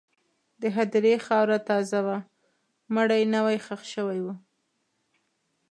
د هدیرې خاوره تازه وه، مړی نوی ښخ شوی و.